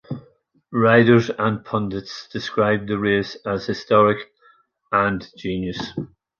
Riders and pundits described the race as "historic" and "genius".